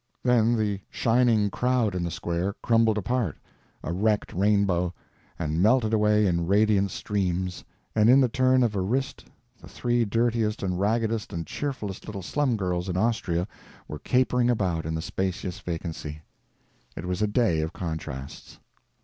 Then the shining crown in the square crumbled apart, a wrecked rainbow, and melted away in radiant streams, and in the turn of a wrist the three dirtiest and raggedest and cheerfulest little slum girls in Austria were capering about in the spacious vacancy. It was a day of contrasts.